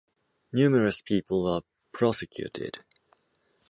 Numerous people were prosecuted.